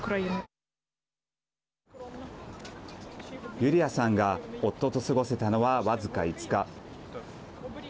ユリアさんが夫と過ごせたのは僅か５日。